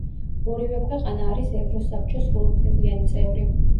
ორივე ქვეყანა არის ევროსაბჭო სრულუფლებიანი წევრი.